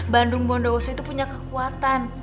bandung bunda warsop itu punya kekuatan